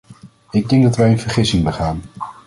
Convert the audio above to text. Ik denk dat wij een vergissing begaan.